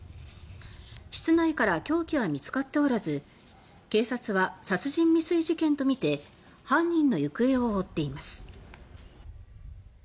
室内から凶器は見つかっておらず警察は殺人未遂事件とみて犯人の行方を追っています。